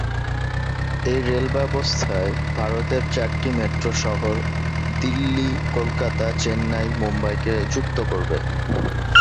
এই রেলব্যবস্থায় ভারতের চারটি মেট্রো শহর দিল্লি, কলকাতা, চেন্নাই, মুম্বাই কে যুক্ত করবে।